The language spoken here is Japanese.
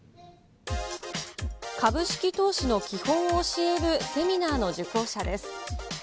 株式投資の基本を教えるセミナーの受講者です。